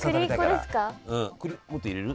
くりもっと入れる？